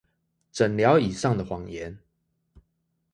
診療椅上的謊言